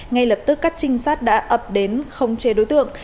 ngay lập tức các trinh sát đã ập đến khống chế đối tượng